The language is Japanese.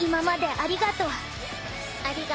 ありがとう。